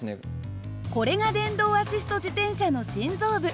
これが電動アシスト自転車の心臓部。